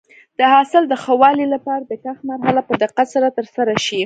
د حاصل د ښه والي لپاره د کښت مرحله په دقت سره ترسره شي.